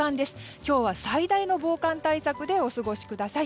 今日は最大の防寒対策でお過ごしください。